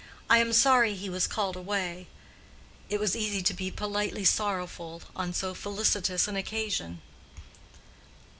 "I am sorry he was called away." It was easy to be politely sorrowful on so felicitous an occasion.